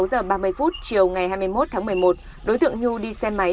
sáu giờ ba mươi phút chiều ngày hai mươi một tháng một mươi một đối tượng nhu đi xe máy